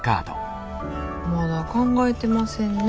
まだ考えてませんね。